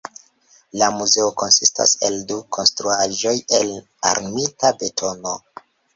La muzeo konsistas el du konstruaĵoj el armita betono.